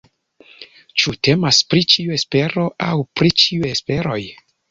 Ĉu temas pri ĉiu espero aŭ pri ĉiuj esperoj?